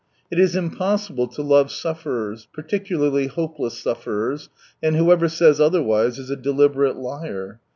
It is impossible to love su^erers, particularly hopeless sufferers, and whoever says otherwise is a deliberate liar.